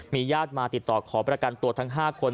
ญาติมาติดต่อขอประกันตัวทั้ง๕คน